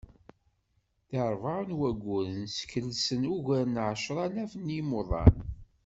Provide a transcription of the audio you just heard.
Di rebɛa n wugguren, skelsen ugar n ɛecralaf n yimuḍan.